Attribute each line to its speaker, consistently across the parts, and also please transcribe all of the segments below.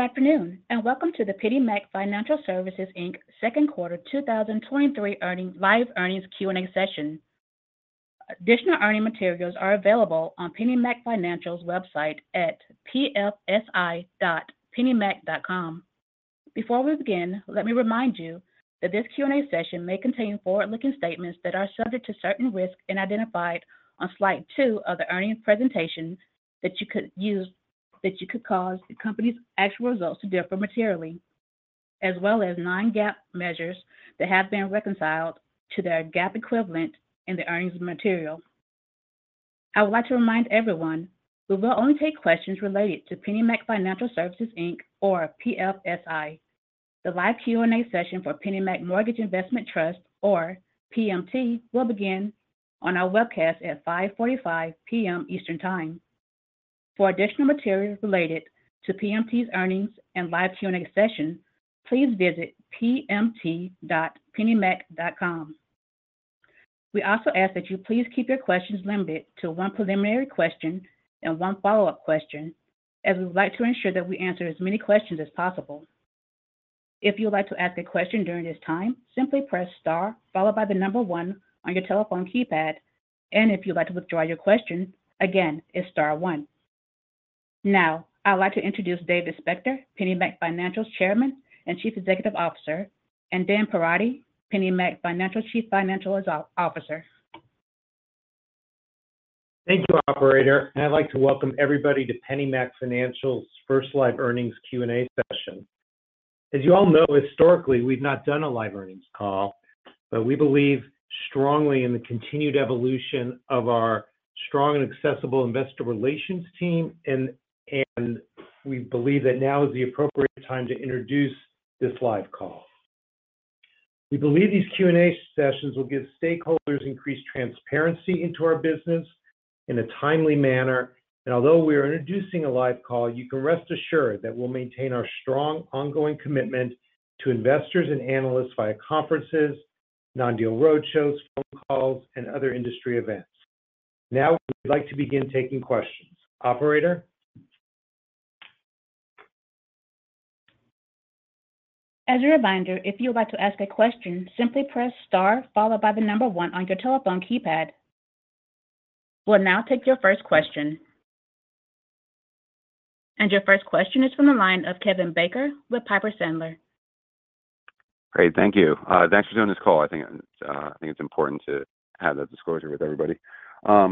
Speaker 1: Good afternoon, welcome to the PennyMac Financial Services Inc. second quarter 2023 earnings, live earnings Q&A session. Additional earnings materials are available on PennyMac Financial's website at pfsi.pennymac.com. Before we begin, let me remind you that this Q&A session may contain forward-looking statements that are subject to certain risks and identified on slide two of the earnings presentation, that you could cause the company's actual results to differ materially, as well as non-GAAP measures that have been reconciled to their GAAP equivalent in the earnings material. I would like to remind everyone that we'll only take questions related to PennyMac Financial Services Inc., or PFSI. The live Q&A session for PennyMac Mortgage Investment Trust, or PMT, will begin on our webcast at 5:45 P.M. Eastern Time. For additional materials related to PMT's earnings and live Q&A session, please visit pmt.pennymac.com. We also ask that you please keep your questions limited to one preliminary question and one follow-up question, as we would like to ensure that we answer as many questions as possible. If you would like to ask a question during this time, simply press star, followed by the number one on your telephone keypad. If you'd like to withdraw your question, again, it's star one. Now, I'd like to introduce David Spector, PennyMac Financial's Chairman and Chief Executive Officer, and Dan Perotti, PennyMac Financial Chief Financial Officer.
Speaker 2: Thank you, operator. I'd like to welcome everybody to PennyMac Financial's first live earnings Q&A session. As you all know, historically, we've not done a live earnings call, we believe strongly in the continued evolution of our strong and accessible Investor Relations team, and we believe that now is the appropriate time to introduce this live call. We believe these Q&A sessions will give stakeholders increased transparency into our business in a timely manner. Although we are introducing a live call, you can rest assured that we'll maintain our strong ongoing commitment to investors and analysts via conferences, non-deal roadshows, phone calls, and other industry events. Now, we'd like to begin taking questions. Operator?
Speaker 1: As a reminder, if you would like to ask a question, simply press star, followed by one on your telephone keypad. We'll now take your first question. Your first question is from the line of Kevin Barker with Piper Sandler.
Speaker 3: Great, thank you. Thanks for doing this call. I think, I think it's important to have that disclosure with everybody. I,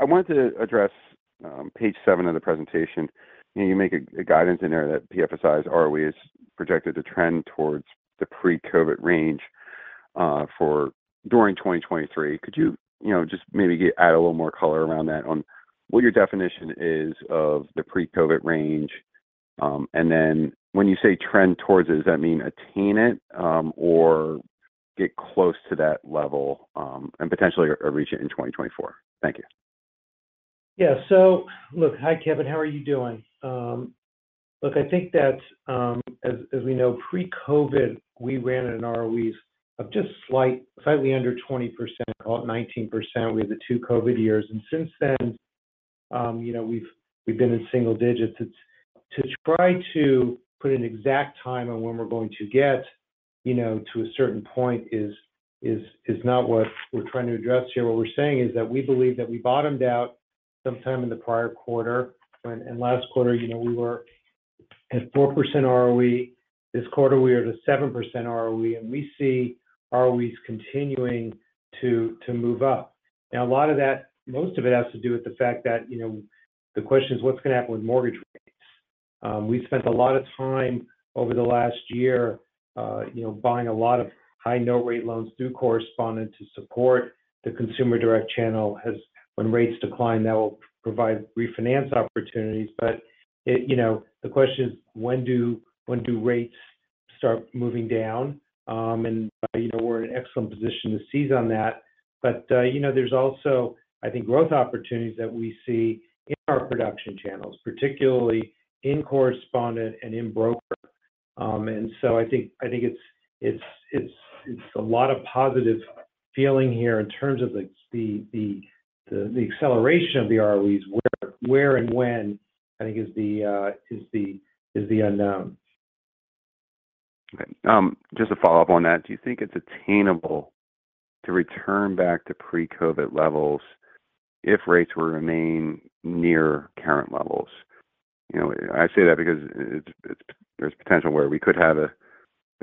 Speaker 3: I wanted to address, page seven of the presentation. You know, you make a, a guidance in there that PFSI's ROE is projected to trend towards the pre-COVID range, for during 2023. Could you, you know, just maybe add a little more color around that on what your definition is of the pre-COVID range? Then when you say trend towards it, does that mean attain it, or get close to that level, and potentially or, or reach it in 2024? Thank you.
Speaker 2: Look, hi, Kevin. How are you doing? Look, I think that, as, as we know, pre-COVID, we ran an ROEs of just slightly under 20%, about 19%. We had the two COVID years, and since then, you know, we've, we've been in single digits. To try to put an exact time on when we're going to get, you know, to a certain point is not what we're trying to address here. What we're saying is that we believe that we bottomed out sometime in the prior quarter, and last quarter, you know, we were at 4% ROE. This quarter, we are at a 7% ROE, and we see ROEs continuing to move up. A lot of that, most of it has to do with the fact that, you know, the question is what's going to happen with mortgage rates? We've spent a lot of time over the last year, you know, buying a lot of high note rate loans through correspondent to support. The consumer direct channel has. When rates decline, that will provide refinance opportunities. It, you know, the question is: When do, when do rates start moving down? You know, we're in an excellent position to seize on that. You know, there's also, I think, growth opportunities that we see in our production channels, particularly in correspondent and in broker. I think, I think it's, it's, it's, it's a lot of positive feeling here in terms of the, the, the, the acceleration of the ROEs. Where, where and when, I think is the, is the, is the unknown.
Speaker 3: Okay, just to follow up on that, do you think it's attainable to return back to pre-COVID levels if rates were to remain near current levels? You know, I say that because it's, there's potential where we could have a,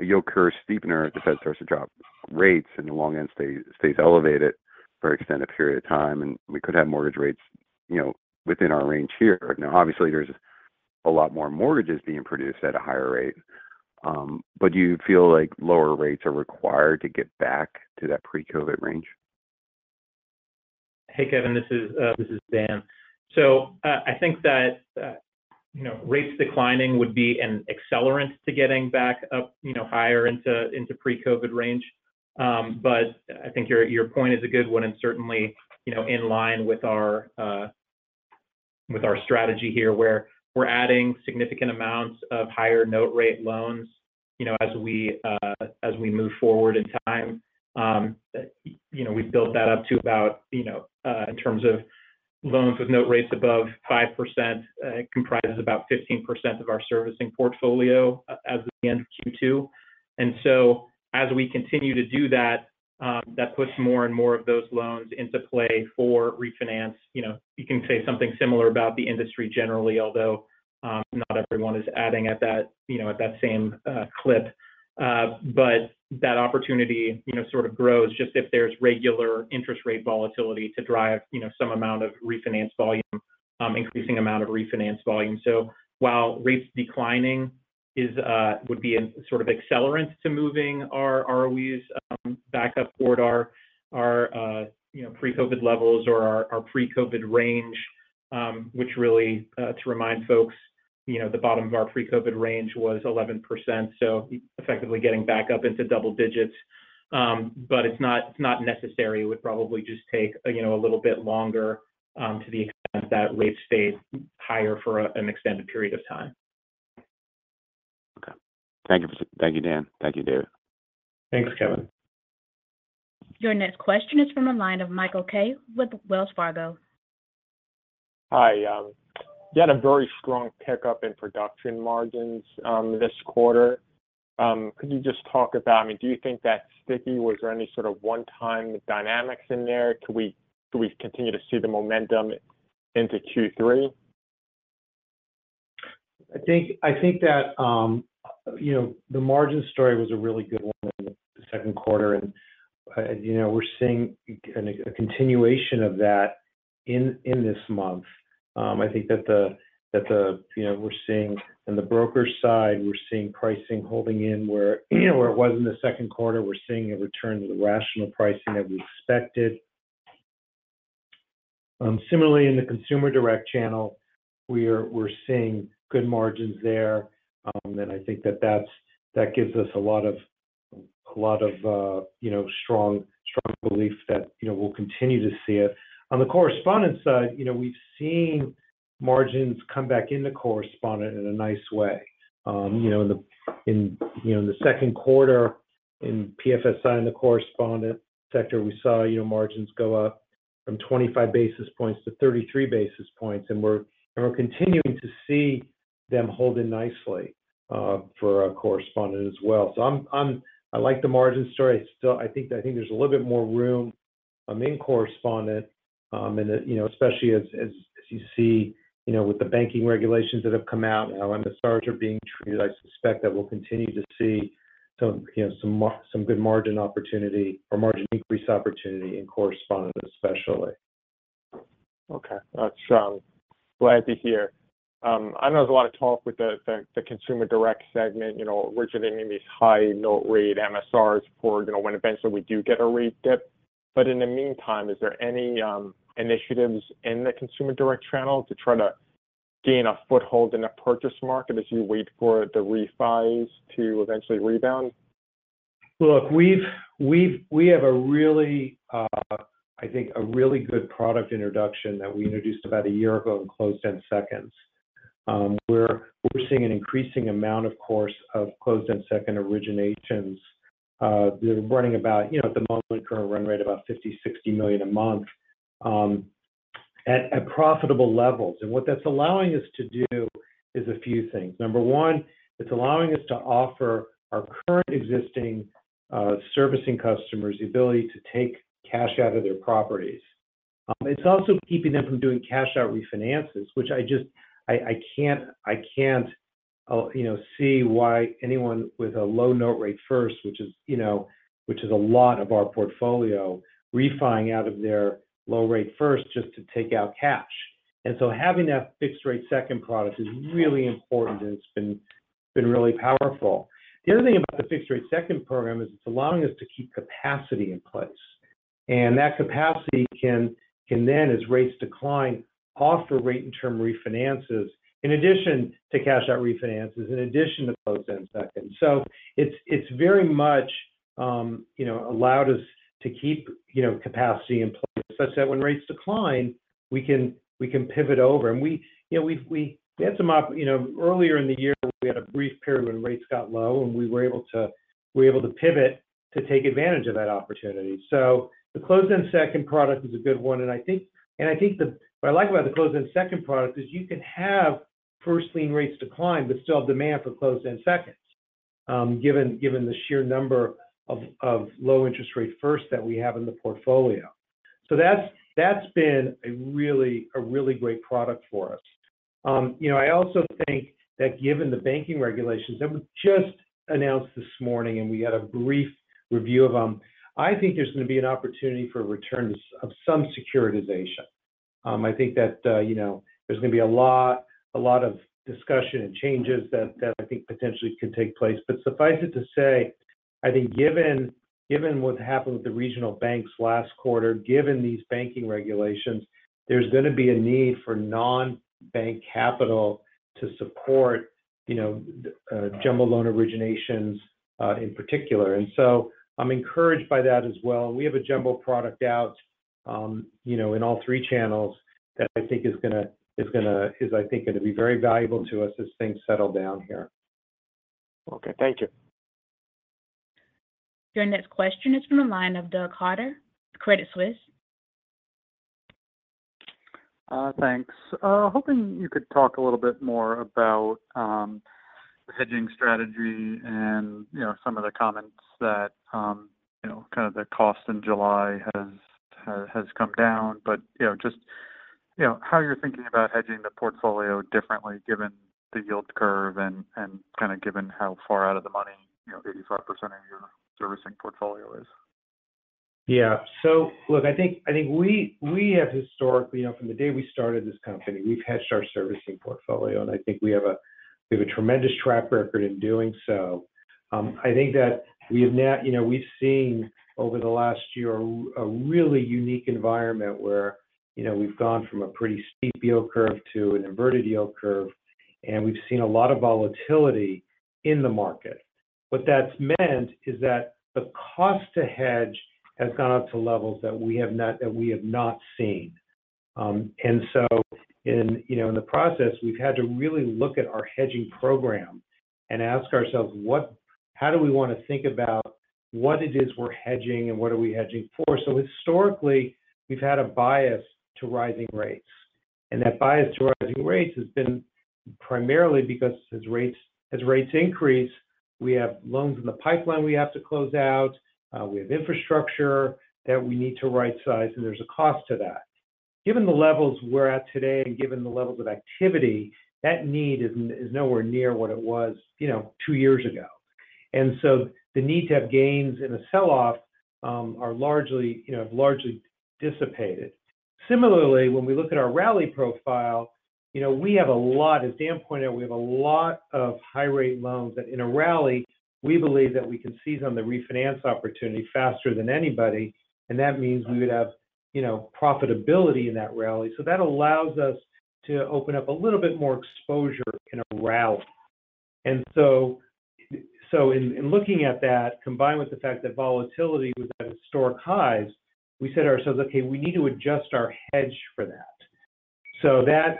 Speaker 3: a yield curve steepener, the Fed starts to drop rates, and the long end stays elevated for an extended period of time, and we could have mortgage rates, you know, within our range here. Now, obviously, there's a lot more mortgages being produced at a higher rate, but do you feel like lower rates are required to get back to that pre-COVID range?
Speaker 4: Hey, Kevin, this is Dan. I think that, you know, rates declining would be an accelerant to getting back up, you know, higher into, into pre-COVID range. But I think your, your point is a good one, and certainly, you know, in line with our, with our strategy here, where we're adding significant amounts of higher note rate loans, you know, as we, as we move forward in time, you know, we've built that up to about, you know, in terms of loans with note rates above 5%, comprises about 15% of our servicing portfolio, as of the end of Q2. As we continue to do that, that puts more and more of those loans into play for refinance. You know, you can say something similar about the industry generally, although, not everyone is adding at that, you know, at that same clip. That opportunity, you know, sort of grows just if there's regular interest rate volatility to drive, you know, some amount of refinance volume, increasing amount of refinance volume. While rates declining is would be a sort of accelerant to moving our ROEs back up toward our, our, you know, pre-COVID levels or our, our pre-COVID range, which really to remind folks, you know, the bottom of our pre-COVID range was 11%, so effectively getting back up into double digits. It's not, it's not necessary. It would probably just take, you know, a little bit longer, to the extent that rates stay higher for an extended period of time.
Speaker 3: Okay. Thank you. Thank you, Dan. Thank you, David.
Speaker 4: Thanks, Kevin.
Speaker 1: Your next question is from the line of Michael Kaye with Wells Fargo.
Speaker 5: Hi, you had a very strong pickup in production margins this quarter. Could you just talk about, I mean, do you think that's sticky? Was there any sort of one-time dynamics in there? Could we, could we continue to see the momentum into Q3?
Speaker 2: I think, I think that, you know, the margin story was a really good one in the second quarter, and, you know, we're seeing an, a continuation of that in, in this month. I think that, you know, we're seeing in the broker side, we're seeing pricing holding in where, where it was in the second quarter. We're seeing a return to the rational pricing that we expected. Similarly, in the consumer direct channel, we're seeing good margins there. I think that that gives us a lot of, a lot of, you know, strong, strong belief that, you know, we'll continue to see it. On the correspondent side, you know, we've seen margins come back into correspondent in a nice way. You know, in the, in, you know, in the second quarter, in PFSI, in the correspondent sector, we saw, you know, margins go up from 25 basis points to 33 basis points, and we're continuing to see them hold in nicely for our correspondent as well. I like the margin story. Still, I think there's a little bit more room in correspondent, you know, especially as, as, as you see, you know, with the banking regulations that have come out and how MSRs are being treated, I suspect that we'll continue to see some, you know, some good margin opportunity or margin increase opportunity in correspondent, especially.
Speaker 5: Okay. That's glad to hear. I know there's a lot of talk with the, the, the consumer direct segment, you know, originating these high note rate MSRs for, you know, when eventually we do get a rate dip. In the meantime, is there any initiatives in the consumer direct channel to try to gain a foothold in the purchase market as you wait for the refis to eventually rebound?
Speaker 2: Look, we have a really, I think, a really good product introduction that we introduced about a year ago in closed-end seconds. We're seeing an increasing amount, of course, of closed-end second originations. They're running about, you know, at the moment, we current run rate about $50 million-$60 million a month, at profitable levels. What that's allowing us to do is a few things. Number one, it's allowing us to offer our current existing servicing customers the ability to take cash out of their properties. It's also keeping them from doing cash out refinances, which I just, I can't, you know, see why anyone with a low note rate first, which is, you know, which is a lot of our portfolio, [refiing] out of their low rate first just to take out cash. Having that fixed-rate second product is really important, and it's been, been really powerful. The other thing about the fixed-rate second program is it's allowing us to keep capacity in place, and that capacity can, can then, as rates decline, offer rate and term refinances, in addition to cash out refinances, in addition to closed-end seconds. It's, it's very much, you know, allowed us to keep, you know, capacity in place, such that when rates decline, we can, we can pivot over. We, you know, we had some, you know, earlier in the year, we had a brief period when rates got low, and we were able to pivot to take advantage of that opportunity. The closed-end second product is a good one, and I think, what I like about the closed-end second product is you can have first lien rates decline, but still have demand for closed-end seconds, given, given the sheer number of, of low interest rate first that we have in the portfolio. That's, that's been a really, a really great product for us. You know, I also think that given the banking regulations that were just announced this morning, and we had a brief review of them, I think there's going to be an opportunity for a return to of some securitization. I think that, you know, there's going to be a lot, a lot of discussion and changes that, that I think potentially can take place. Suffice it to say, I think given, given what happened with the regional banks last quarter, given these banking regulations, there's going to be a need for non-bank capital to support, you know, jumbo loan originations, in particular. I'm encouraged by that as well. We have a jumbo product out, you know, in all three channels that I think is, I think, gonna be very valuable to us as things settle down here.
Speaker 5: Okay. Thank you.
Speaker 1: Your next question is from the line of Doug Harter, Credit Suisse.
Speaker 6: Thanks. Hoping you could talk a little bit more about the hedging strategy and, you know, some of the comments that, you know, kind of the cost in July has, has, has come down. You know, just, you know, how you're thinking about hedging the portfolio differently given the yield curve and, and kind of given how far out of the money, you know, 85% of your servicing portfolio is?
Speaker 2: Yeah. So look, I think, I think we, we have historically, you know, from the day we started this company, we've hedged our servicing portfolio, and I think we have a, we have a tremendous track record in doing so. I think that we have now- you know, we've seen over the last year, a, a really unique environment where, you know, we've gone from a pretty steep yield curve to an inverted yield curve, and we've seen a lot of volatility in the market. What that's meant is that the cost to hedge has gone up to levels that we have not, that we have not seen. In, you know, in the process, we've had to really look at our hedging program and ask ourselves: how do we want to think about what it is we're hedging, and what are we hedging for? Historically, we've had a bias to rising rates, and that bias to rising rates has been primarily because as rates, as rates increase, we have loans in the pipeline we have to close out, we have infrastructure that we need to right-size, and there's a cost to that. Given the levels we're at today and given the levels of activity, that need is nowhere near what it was, you know, two years ago. The need to have gains in a sell-off, are largely, you know, have largely dissipated. Similarly, when we look at our rally profile, you know, we have a lot, as Dan pointed out, we have a lot of high-rate loans that in a rally, we believe that we can seize on the refinance opportunity faster than anybody, and that means we would have, you know, profitability in that rally. That allows us to open up a little bit more exposure in a rally. In looking at that, combined with the fact that volatility was at historic highs, we said to ourselves, "Okay, we need to adjust our hedge for that."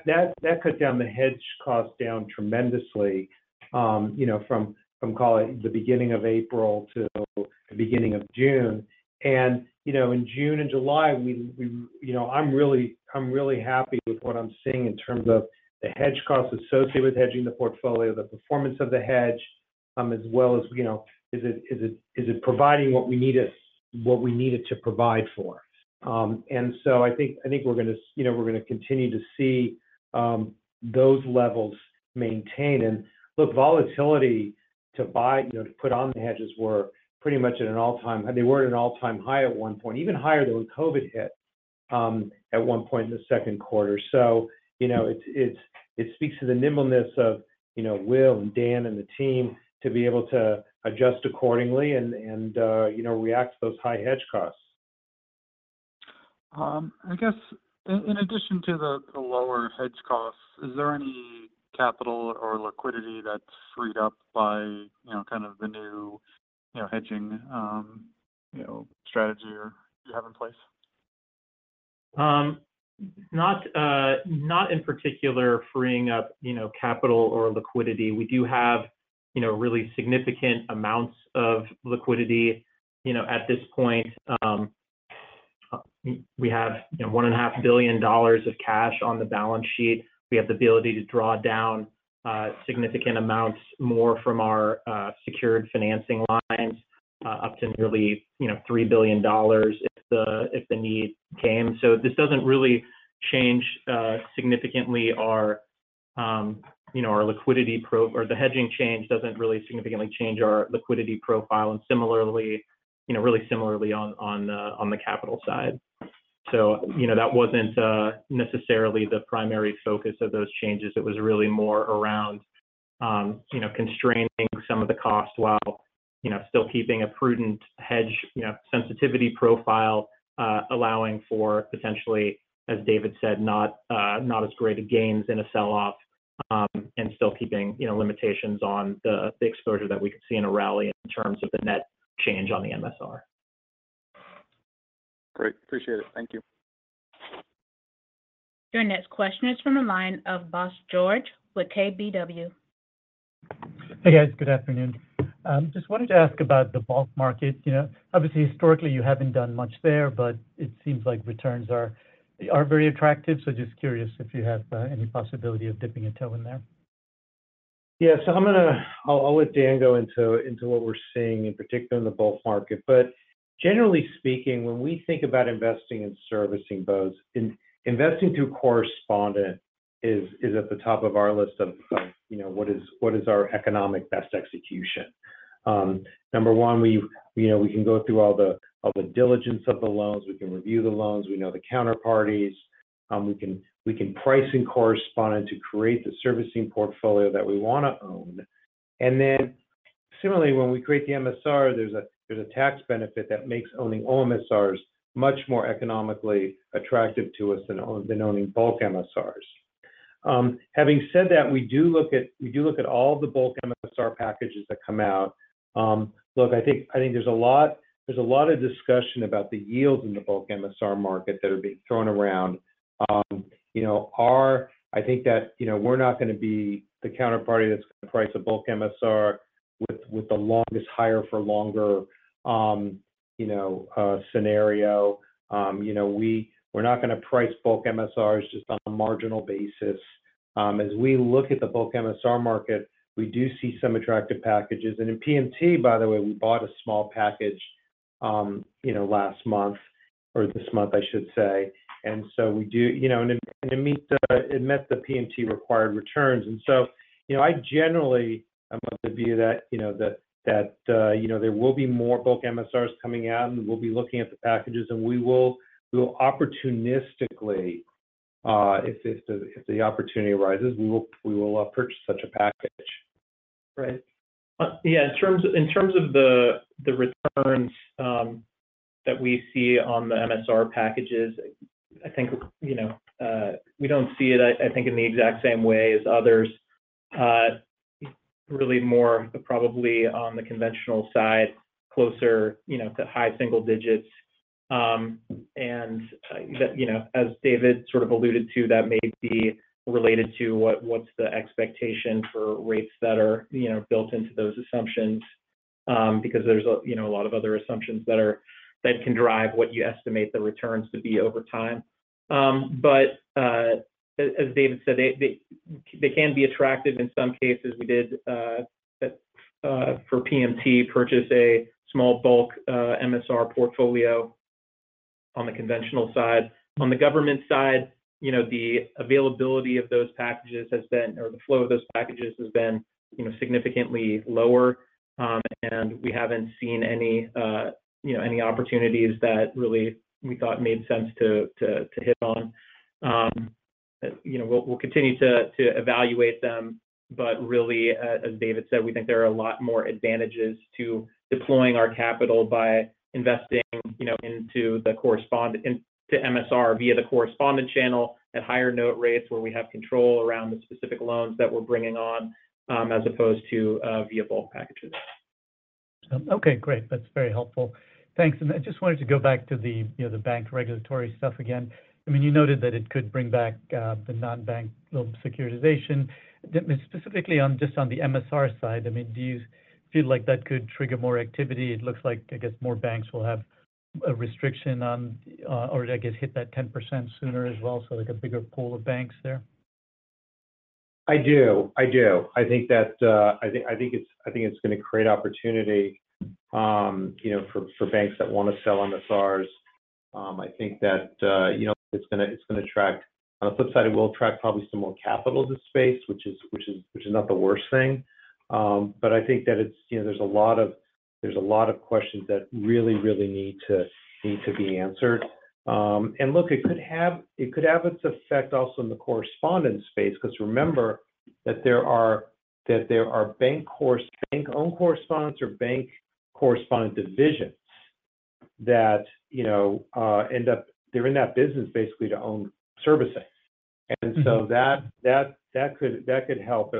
Speaker 2: That cut down the hedge cost down tremendously, you know, from, call it, the beginning of April to the beginning of June. You know, in June and July, we, you know, I'm really, I'm really happy with what I'm seeing in terms of the hedge costs associated with hedging the portfolio, the performance of the hedge, as well as, you know, is it providing what we need it, what we need it to provide for? I think, I think we're gonna, you know, we're gonna continue to see those levels maintain. Look, volatility to buy, you know, to put on the hedges were pretty much at an all-time. They were at an all-time high at one point, even higher than when COVID hit, at one point in the second quarter. You know, it's, it speaks to the nimbleness of, you know, Will and Dan and the team to be able to adjust accordingly and, and, you know, react to those high hedge costs.
Speaker 6: I guess in, in addition to the, the lower hedge costs, is there any capital or liquidity that's freed up by, you know, kind of the new, you know, hedging, you know, strategy you have in place?
Speaker 4: Not, not in particular, freeing up, you know, capital or liquidity. We do have, you know, really significant amounts of liquidity. You know, at this point, we have, you know, $1.5 billion of cash on the balance sheet. We have the ability to draw down, significant amounts more from our, secured financing lines, up to nearly, you know, $3 billion if the, if the need came. This doesn't really change, significantly our, you know, our liquidity pro or the hedging change doesn't really significantly change our liquidity profile, and similarly, you know, really similarly on, on the, on the capital side. You know, that wasn't, necessarily the primary focus of those changes. It was really more around, you know, constraining some of the costs while, you know, still keeping a prudent hedge, you know, sensitivity profile, allowing for potentially, as David said, not, not as great a gains in a sell-off, and still keeping, you know, limitations on the, the exposure that we could see in a rally in terms of the net change on the MSR.
Speaker 6: Great. Appreciate it. Thank you.
Speaker 1: Your next question is from the line of Bose George with KBW.
Speaker 7: Hey, guys. Good afternoon. Just wanted to ask about the bulk market. You know, obviously, historically, you haven't done much there, but it seems like returns are very attractive. So just curious if you have any possibility of dipping a toe in there?
Speaker 2: Yeah. I'll let Dan go into what we're seeing, in particular in the bulk market. Generally speaking, when we think about investing in servicing both, investing through correspondent is at the top of our list of, you know, what is our economic best execution. Number one, we, you know, we can go through all the diligence of the loans, we can review the loans, we know the counterparties, we can price and correspond to create the servicing portfolio that we wanna own. Then similarly, when we create the MSR, there's a, there's a tax benefit that makes owning all MSRs much more economically attractive to us than own, than owning bulk MSRs. Having said that, we do look at, we do look at all the bulk MSR packages that come out. Look, I think, I think there's a lot, there's a lot of discussion about the yields in the bulk MSR market that are being thrown around. You know, our, I think that, you know, we're not going to be the counterparty that's going to price a bulk MSR with, with the longest higher for longer, you know, scenario. You know, we, we're not going to price bulk MSRs just on a marginal basis. As we look at the bulk MSR market, we do see some attractive packages. In PMT, by the way, we bought a small package, you know, last month or this month, I should say. You know, it meets the, it met the PMT required returns. You know, I generally am of the view that, you know, there will be more bulk MSRs coming out, and we'll be looking at the packages, and we will, we will opportunistically, if, if the, if the opportunity arises, we will, we will, purchase such a package.
Speaker 4: Right. Yeah, in terms of, in terms of the, the returns, that we see on the MSR packages, I think, you know, we don't see it, I, I think, in the exact same way as others. Really more probably on the conventional side, closer, you know, to high single digits. You know, as David sort of alluded to, that may be related to what, what's the expectation for rates that are, you know, built into those assumptions. Because there's a, you know, a lot of other assumptions that can drive what you estimate the returns to be over time. As, as David said, they, they, they can be attractive. In some cases, we did, for PMT, purchase a small bulk, MSR portfolio on the conventional side. On the government side, you know, the availability of those packages has been, or the flow of those packages has been, you know, significantly lower, and we haven't seen any, you know, any opportunities that really we thought made sense to, to, to hit on. You know, we'll, we'll continue to, to evaluate them, but really, as, as David said, we think there are a lot more advantages to deploying our capital by investing, you know, into the correspondent, into MSR via the correspondent channel at higher note rates, where we have control around the specific loans that we're bringing on, as opposed to via bulk packages.
Speaker 7: Okay, great. That's very helpful. Thanks. I just wanted to go back to the, you know, the bank regulatory stuff again. I mean, you noted that it could bring back the non-bank loan securitization. Specifically on, just on the MSR side, I mean, do you feel like that could trigger more activity? It looks like, I guess, more banks will have a restriction on, or I guess, hit that 10% sooner as well, so, like a bigger pool of banks there.
Speaker 2: I do. I do. I think that, I think, I think it's going to create opportunity, you know, for, for banks that want to sell MSRs. I think that, you know, it's going to, it's going to attract. On the flip side, it will attract probably some more capital to the space, which is, which is, which is not the worst thing. I think that it's, you know, there's a lot of, there's a lot of questions that really, really need to, need to be answered. Look, it could have, it could have its effect also in the correspondent space, because remember that there are, that there are bank-owned correspondents or bank correspondent divisions that, you know, end up. They're in that business basically to own servicing.
Speaker 7: Mm-hmm.
Speaker 2: So that, that, that could, that could help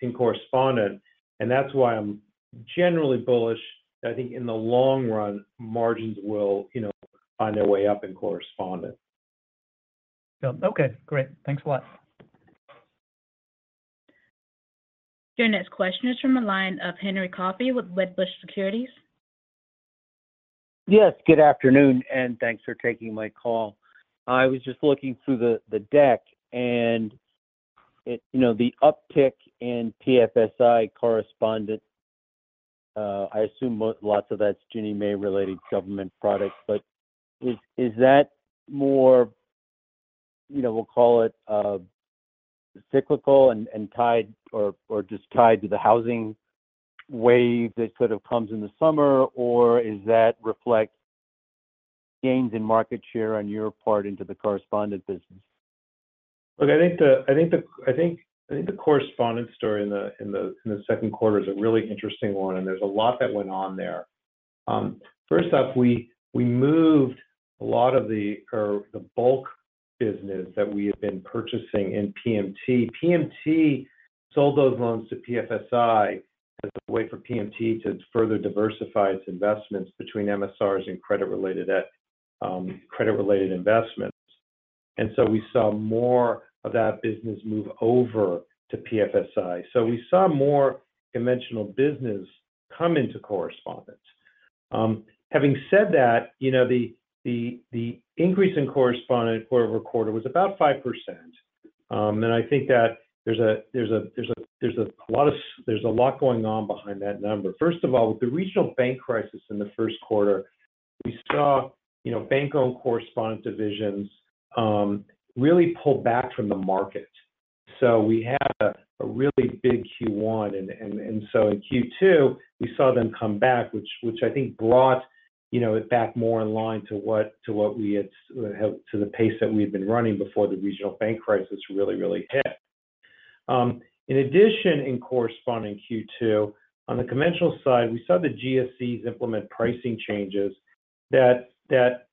Speaker 2: in correspondent, and that's why I'm generally bullish. I think in the long run, margins will, you know, find their way up in correspondent.
Speaker 7: Yeah. Okay, great. Thanks a lot.
Speaker 1: Your next question is from the line of Henry Coffey with Wedbush Securities.
Speaker 8: Yes, good afternoon, and thanks for taking my call. I was just looking through the, the deck, and you know, the uptick in PFSI correspondent, I assume lots of that's Ginnie Mae-related government products. Is, is that more, you know, we'll call it, cyclical and, and tied or, or just tied to the housing wave that sort of comes in the summer? Or is that reflect gains in market share on your part into the correspondent business?
Speaker 2: Look, I think the, I think the, I think, I think the correspondent story in the, in the, in the second quarter is a really interesting one, and there's a lot that went on there. First up, we, we moved a lot of the bulk business that we have been purchasing in PMT. PMT sold those loans to PFSI as a way for PMT to further diversify its investments between MSRs and credit-related debt, credit-related investments. We saw more of that business move over to PFSI. We saw more conventional business come into correspondence. Having said that, you know, the, the, the increase in correspondent quarter-over-quarter was about 5%. I think that there's a, there's a, there's a, there's a lot going on behind that number. First of all, with the regional bank crisis in the first quarter, we saw, you know, bank-owned correspondent divisions, really pull back from the market. We had a really big Q1, so in Q2, we saw them come back, which I think brought, you know, it back more in line to what we had, to the pace that we've been running before the regional bank crisis really, really hit. In addition, in corresponding Q2, on the conventional side, we saw the GSEs implement pricing changes that,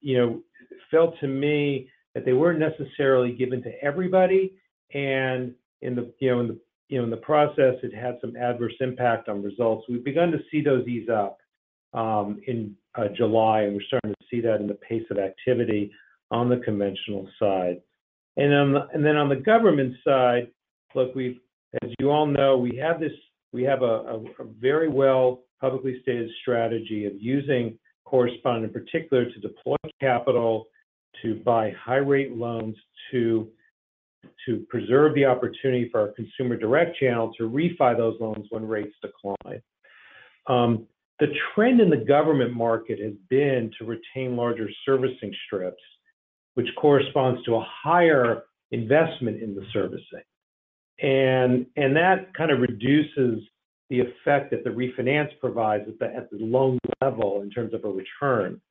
Speaker 2: you know, felt to me that they weren't necessarily given to everybody, and in the, you know, in the process, it had some adverse impact on results. We've begun to see those ease up in July, and we're starting to see that in the pace of activity on the conventional side. On the government side, look, as you all know, we have a very well publicly stated strategy of using correspondent, in particular, to deploy capital to buy high rate loans to preserve the opportunity for our consumer direct channel to refi those loans when rates decline. The trend in the government market has been to retain larger servicing strips, which corresponds to a higher investment in the servicing. That kind of reduces the effect that the refinance provides at the loan level in terms of a return.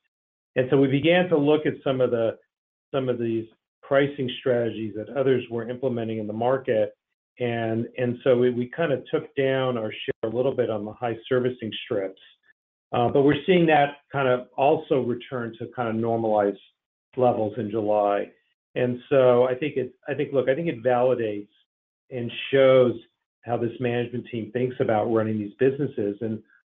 Speaker 2: We began to look at some of the, some of these pricing strategies that others were implementing in the market. We, we kind of took down our share a little bit on the high servicing strips. We're seeing that kind of also return to kind of normalized levels in July. I think, look, I think it validates and shows how this management team thinks about running these businesses.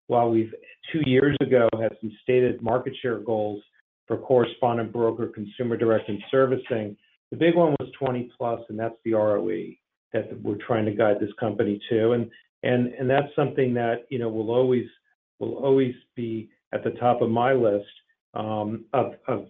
Speaker 2: While we've, two years ago, had some stated market share goals for correspondent broker, consumer direct, and servicing, the big one was 20+, and that's the ROE that we're trying to guide this company to. That's something that, you know, will always, will always be at the top of my list of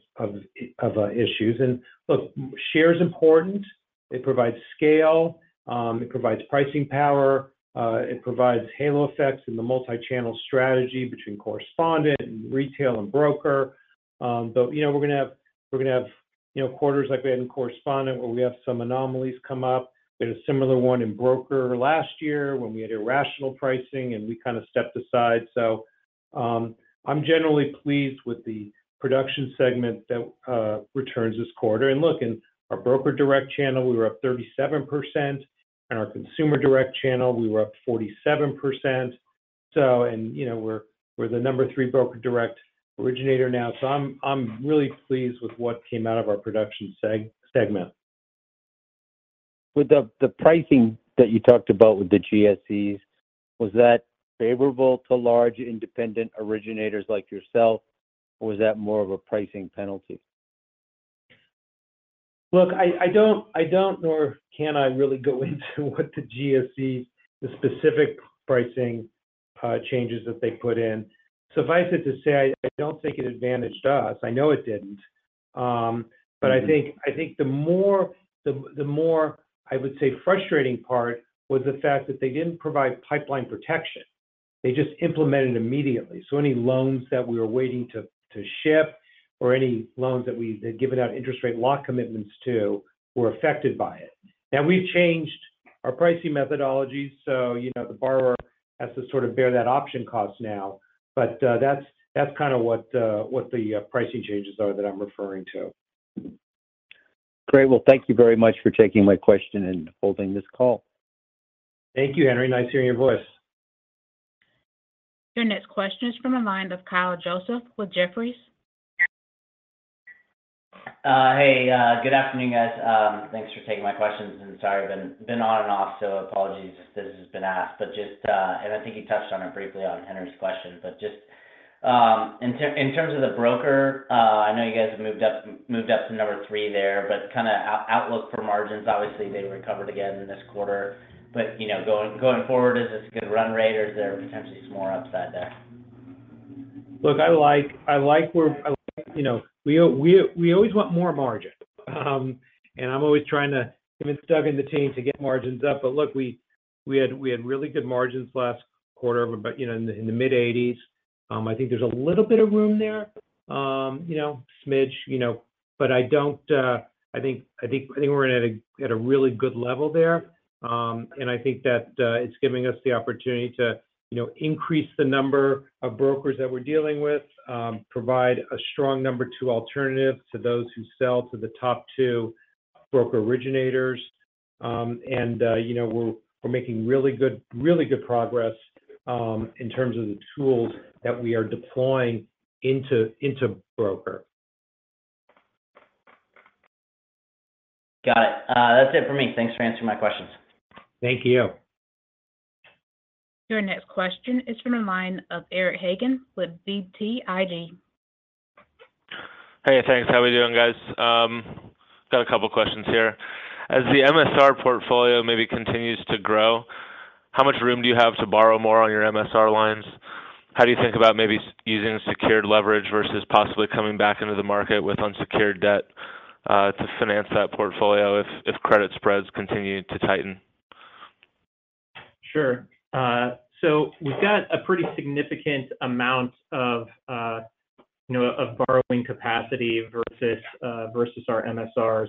Speaker 2: issues. Look, share is important. It provides scale, it provides pricing power, it provides halo effects in the multi-channel strategy between correspondent and retail and broker. Though, you know, we're going to have, we're going to have, you know, quarters like we had in correspondent, where we have some anomalies come up. We had a similar one in broker last year when we had irrational pricing, and we kind of stepped aside. I'm generally pleased with the production segment that returns this quarter. Look, in our broker direct channel, we were up 37%, and our consumer direct channel, we were up 47%. You know, we're, we're the number three broker direct originator now, so I'm, I'm really pleased with what came out of our production segment.
Speaker 8: With the, the pricing that you talked about with the GSEs, was that favorable to large independent originators like yourself, or was that more of a pricing penalty?
Speaker 2: Look, I, I don't, I don't, nor can I really go into what the GSE, the specific pricing, changes that they put in. Suffice it to say, I, I don't think it advantaged us. I know it didn't. I think.
Speaker 8: Mm-hmm.
Speaker 2: I think the more, the, the more, I would say, frustrating part was the fact that they didn't provide pipeline protection. They just implemented immediately. Any loans that we were waiting to, to ship or any loans that we had given out interest rate lock commitments to, were affected by it. Now, we've changed our pricing methodology, so, you know, the borrower has to sort of bear that option cost now. That's, that's kind of what, what the pricing changes are that I'm referring to.
Speaker 8: Mm-hmm. Great. Well, thank you very much for taking my question and holding this call.
Speaker 2: Thank you, Henry. Nice hearing your voice.
Speaker 1: Your next question is from the line of Kyle Joseph with Jefferies.
Speaker 9: Hey, good afternoon, guys. Thanks for taking my questions. Sorry, I've been, been on and off, so apologies if this has been asked. Just, and I think you touched on it briefly on Henry's question, but just, in terms of the broker, I know you guys have moved up, moved up to number three there, but kind of outlook for margins. Obviously, they recovered again in this quarter, but, you know, going, going forward, is this going to run rate, or is there potentially some more upside there?
Speaker 2: Look, I like where I, you know, we always want more margin. I'm always trying to convince Doug and the team to get margins up. Look, we had really good margins last quarter, but, you know, in the mid-80s. I think there's a little bit of room there, you know, smidge, you know, but I don't. I think we're at a really good level there. I think that it's giving us the opportunity to, you know, increase the number of brokers that we're dealing with, provide a strong number two alternative to those who sell to the top two broker originators. You know, we're, we're making really good, really good progress, in terms of the tools that we are deploying into, into Broker.
Speaker 9: Got it. That's it for me. Thanks for answering my questions.
Speaker 2: Thank you.
Speaker 1: Your next question is from the line of Eric Hagen with BTIG.
Speaker 10: Hey, thanks. How we doing, guys? Got a couple questions here. As the MSR portfolio maybe continues to grow, how much room do you have to borrow more on your MSR lines? How do you think about maybe using secured leverage versus possibly coming back into the market with unsecured debt, to finance that portfolio if, if credit spreads continue to tighten?
Speaker 2: Sure. We've got a pretty significant amount of, you know, of borrowing capacity versus, versus our MSRs.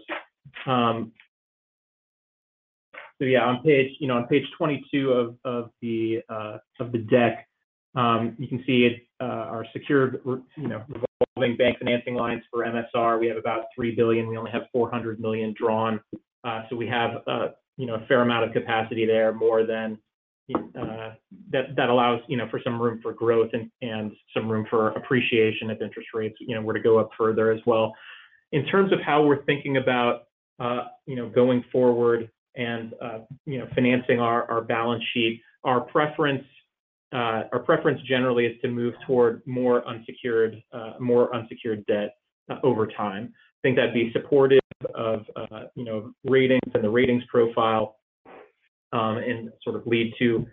Speaker 2: Yeah, on page, you know, on page 22 of, of the, of the deck.
Speaker 4: You can see it, our secured, revolving bank financing lines for MSR, we have about $3 billion, we only have $400 million drawn. We have a fair amount of capacity there, more than that, that allows for some room for growth and some room for appreciation if interest rates were to go up further as well. In terms of how we're thinking about going forward and financing our balance sheet, our preference, our preference generally is to move toward more unsecured, more unsecured debt over time. I think that'd be supportive of ratings and the ratings profile and sort of lead to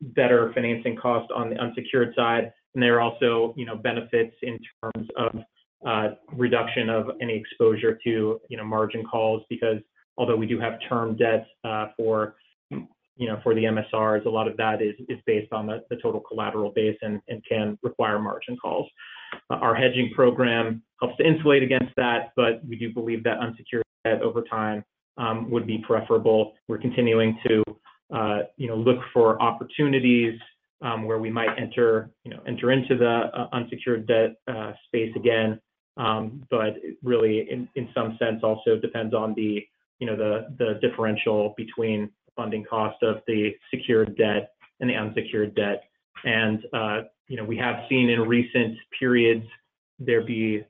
Speaker 4: better financing costs on the unsecured side. There are also, you know, benefits in terms of reduction of any exposure to, you know, margin calls, because although we do have term debts, for, you know, for the MSRs, a lot of that is based on the total collateral base and can require margin calls. Our hedging program helps to insulate against that, but we do believe that unsecured debt over time would be preferable. We're continuing to, you know, look for opportunities, where we might enter, you know, enter into the unsecured debt space again. Really, in some sense, also depends on the, you know, the differential between funding cost of the secured debt and the unsecured debt. You know, we have seen in recent periods there be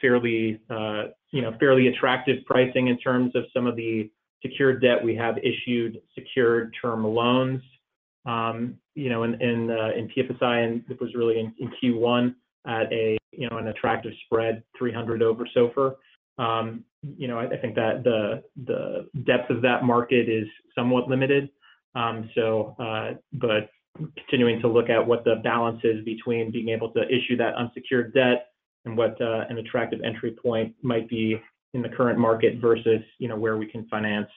Speaker 4: fairly, you know, fairly attractive pricing in terms of some of the secured debt we have issued, secured term loans. You know, in, in PFSI, and it was really in, in Q1 at a, an attractive spread, 300 over SOFR. You know, I think that the, the depth of that market is somewhat limited. So, but continuing to look at what the balance is between being able to issue that unsecured debt and what, an attractive entry point might be in the current market versus, you know, where we can finance,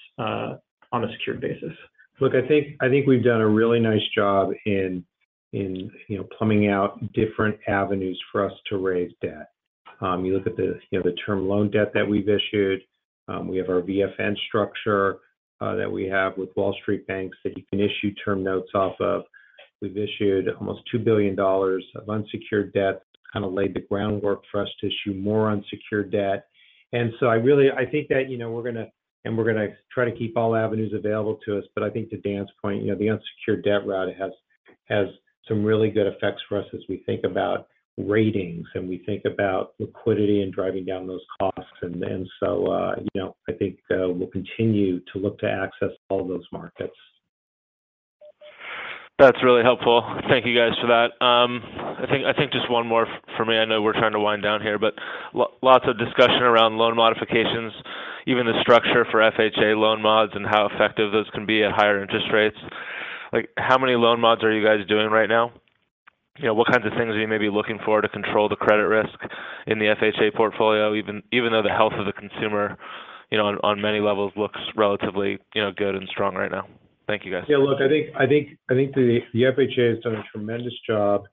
Speaker 4: on a secured basis.
Speaker 2: Look, I think, I think we've done a really nice job in, in, you know, plumbing out different avenues for us to raise debt. You look at the, you know, the term loan debt that we've issued, we have our VFN structure that we have with Wall Street banks that you can issue term notes off of. We've issued almost $2 billion of unsecured debt, kind of laid the groundwork for us to issue more unsecured debt. I really think that, you know, we're going to and we're going to try to keep all avenues available to us, but I think to Dan's point, you know, the unsecured debt route has, has some really good effects for us as we think about ratings and we think about liquidity and driving down those costs. You know, I think, we'll continue to look to access all those markets.
Speaker 10: That's really helpful. Thank you, guys, for that. I think, I think just one more for me. I know we're trying to wind down here, but lots of discussion around loan modifications, even the structure for FHA loan mods and how effective those can be at higher interest rates. Like, how many loan mods are you guys doing right now? You know, what kinds of things are you maybe looking for to control the credit risk in the FHA portfolio, even, even though the health of the consumer, you know, on, on many levels, looks relatively, you know, good and strong right now? Thank you, guys.
Speaker 2: Yeah, look, I think, I think, I think the, the FHA has done a tremendous job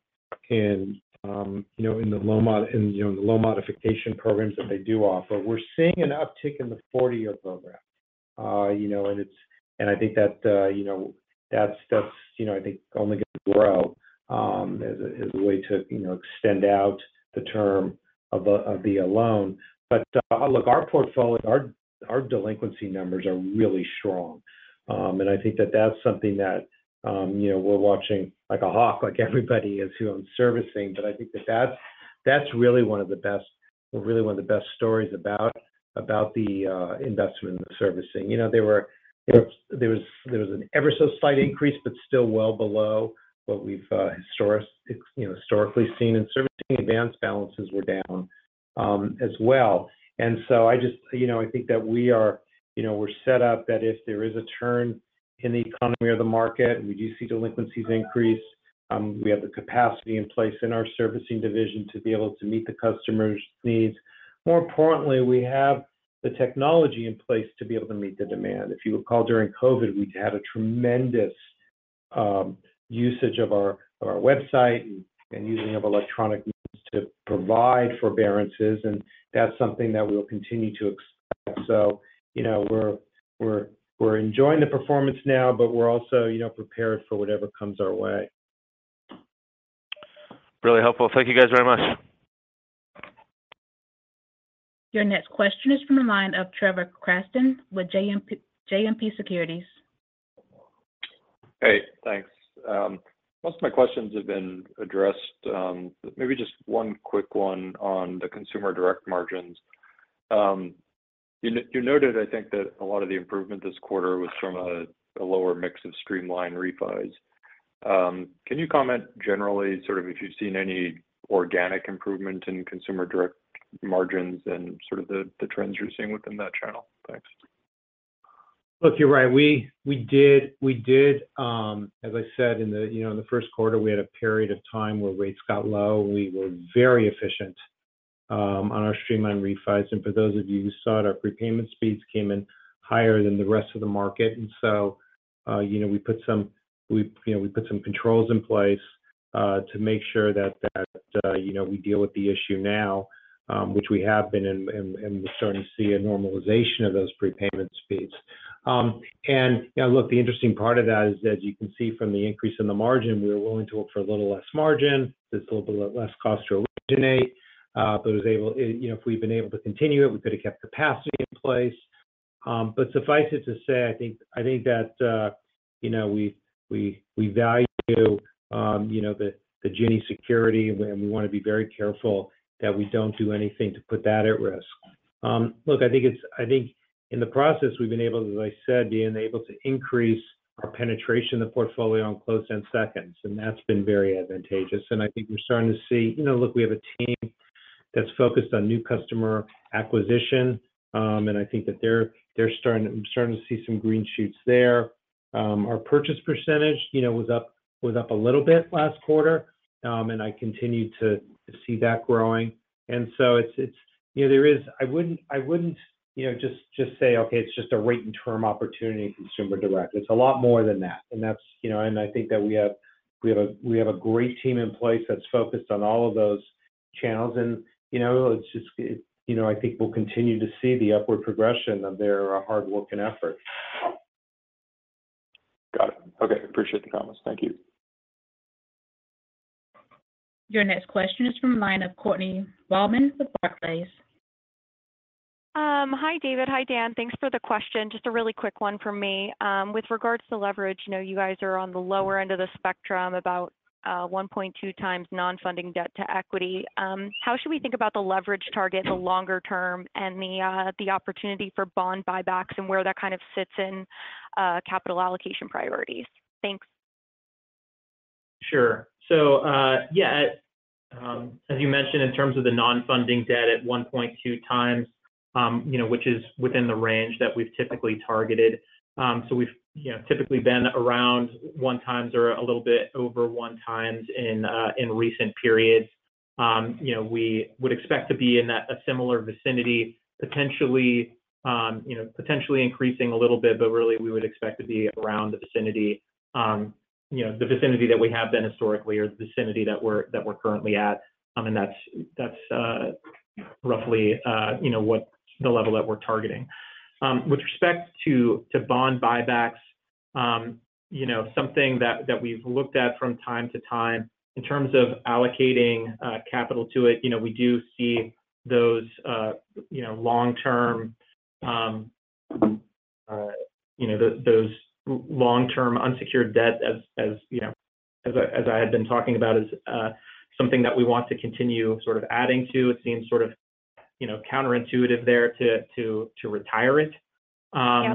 Speaker 2: in, you know, in the loan modification programs that they do offer. We're seeing an uptick in the 40 year program. You know, I think that, you know, that's, that's, you know, I think only going to grow as a, as a way to, you know, extend out the term of a, of the loan. Look, our portfolio, our, our delinquency numbers are really strong. I think that that's something that, you know, we're watching like a hawk, like everybody is who owns servicing. I think that that's, that's really one of the best, really one of the best stories about, about the investment servicing. You know, there was, there was an ever so slight increase, but still well below what we've, you know, historically seen in servicing. Advanced balances were down as well. So I just, you know, I think that we are, you know, we're set up that if there is a turn in the economy or the market, we do see delinquencies increase, we have the capacity in place in our servicing division to be able to meet the customer's needs. More importantly, we have the technology in place to be able to meet the demand. If you recall, during COVID, we had a tremendous usage of our, of our website and using of electronic means to provide forbearances. That's something that we'll continue to expect. You know, we're, we're, we're enjoying the performance now, but we're also, you know, prepared for whatever comes our way.
Speaker 10: Really helpful. Thank you, guys, very much.
Speaker 1: Your next question is from the line of Trevor Cranston with JMP, JMP Securities.
Speaker 11: Hey, thanks. Most of my questions have been addressed, maybe just one quick one on the Consumer Direct margins. You noted, I think that a lot of the improvement this quarter was from a, a lower mix of streamlined refis. Can you comment generally, sort of if you've seen any organic improvement in Consumer Direct margins and sort of the, the trends you're seeing within that channel? Thanks.
Speaker 2: Look, you're right. We, we did, we did, as I said, in the, you know, in the first quarter, we had a period of time where rates got low. We were very efficient, on our streamlined refis. For those of you who saw it, our prepayment speeds came in higher than the rest of the market. So, you know, we put some controls in place, to make sure that, you know, we deal with the issue now, which we have been, and, and we're starting to see a normalization of those prepayment speeds. And look the interesting part of that is, as you can see from the increase in the margin, we were willing to work for a little less margin. It's a little bit less cost to originate, but it was able, you know, if we'd been able to continue it, we could have kept capacity in place. Suffice it to say, I think, I think that, you know, we, we, we value, you know, the Ginnie security, and we want to be very careful that we don't do anything to put that at risk. Look, I think it's, I think in the process, we've been able, as I said, been able to increase our penetration in the portfolio on closed-end seconds, and that's been very advantageous. I think we're starting to see. You know, look, we have a team that's focused on new customer acquisition, and I think that they're, they're starting, I'm starting to see some green shoots there. Our purchase percentage, you know, was up a little bit last quarter, and I continue to see that growing. So it's, you know, there is. I wouldn't, you know, just say, "Okay, it's just a rate and term opportunity in consumer direct." It's a lot more than that. That's, you know. I think that we have a great team in place that's focused on all of those channels. It's just, you know, I think we'll continue to see the upward progression of their hard work and effort.
Speaker 11: Got it. Okay. Appreciate the comments. Thank you.
Speaker 1: Your next question is from the line of Courtney Bahlman with Barclays.
Speaker 12: Hi, David. Hi, Dan. Thanks for the question. Just a really quick one from me. With regards to leverage, I know you guys are on the lower end of the spectrum, about 1.2 times non-funding debt-to-equity. How should we think about the leverage target in the longer term and the opportunity for bond buybacks and where that kind of sits in capital allocation priorities? Thanks.
Speaker 4: Sure. Yeah, as you mentioned, in terms of the non-funding debt at 1.2 times, you know, which is within the range that we've typically targeted. We've, you know, typically been around 1 time or a little bit over 1 time in recent periods. You know, we would expect to be in a similar vicinity, potentially, you know, potentially increasing a little bit, really, we would expect to be around the vicinity, you know, the vicinity that we have been historically or the vicinity that we're, that we're currently at. And that's, that's, roughly, you know, what the level that we're targeting. With respect to, to bond buybacks, you know, something that, that we've looked at from time to time. In terms of allocating capital to it, you know, we do see those, you know, long-term, you know, those, those long-term unsecured debt as, as, you know, as I, as I had been talking about, is something that we want to continue sort of adding to. It seems sort of, you know, counterintuitive there to, to, to retire it.
Speaker 12: Yeah.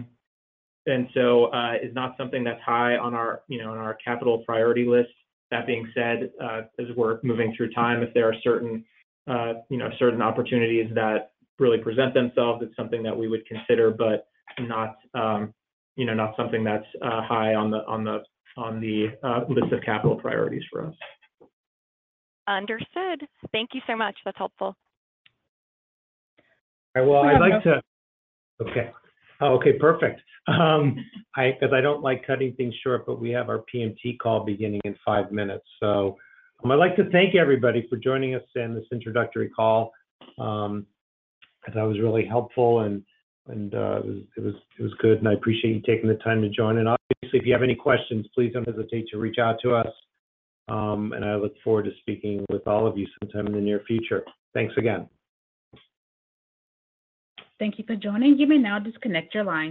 Speaker 4: It's not something that's high on our, you know, on our capital priority list. That being said, as we're moving through time, if there are certain, you know, certain opportunities that really present themselves, it's something that we would consider, but not, you know, not something that's high on the, on the, on the, list of capital priorities for us.
Speaker 12: Understood. Thank you so much. That's helpful.
Speaker 2: Well, I'd like to. Okay. Oh, okay, perfect. 'Cause I don't like cutting things short, but we have our PMT call beginning in five minutes. I'd like to thank everybody for joining us in this introductory call. That was really helpful, and it was, it was good, and I appreciate you taking the time to join. Obviously, if you have any questions, please don't hesitate to reach out to us. I look forward to speaking with all of you sometime in the near future. Thanks again.
Speaker 1: Thank you for joining. You may now disconnect your line.